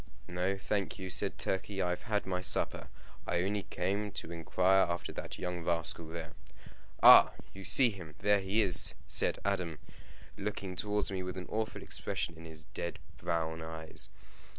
"No, thank you," said Turkey; "I have had my supper. I only came to inquire after that young rascal there." "Ah! you see him! There he is!" said Adam, looking towards me with an awful expression in his dead brown eyes.